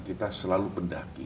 kita selalu mendaki